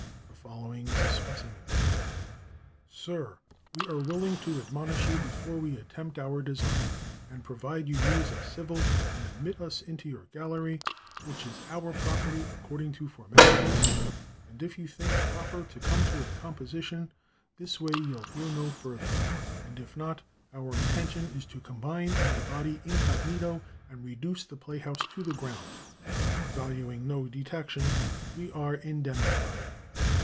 The following is a specimen: "SIR:—We are willing to admonish you before we attempt our design; and provide you use us civil and admit us into your gallery, which is our property according to formalities, and if you think proper to come to a composition this way you'll hear no further; and if not, our intention is to combine in a body, incognito, and reduce the playhouse to the ground. Valuing no detection, we are INDEMNIFIED."